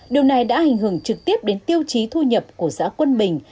điều này đã hình hưởng trực tiếp đến tiêu chí thu nhập của xã quân bình